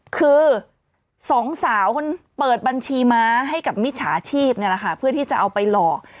คือสองสาวคนเปิดบัญชีม้าให้กับมิจฉาชีพนี่แหละค่ะเพื่อที่จะเอาไปหลอก